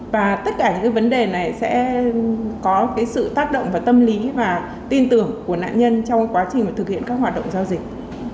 và tất cả những vấn đề này sẽ có sự tác động và tâm lý và tin tưởng của nạn nhân trong quá trình thực hiện các hoạt động giao dịch